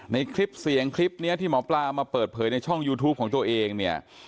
ในคลิปเสียงคลิปนี้ที่หมอปลามาเปิดเผยในช่องยูทูปของตัวเองเนี่ย